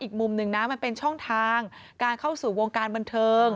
อีกมุมหนึ่งนะมันเป็นช่องทางการเข้าสู่วงการบันเทิง